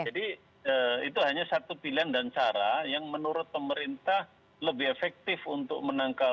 jadi itu hanya satu pilihan dan cara yang menurut pemerintah lebih efektif untuk memperbaiki kesehatan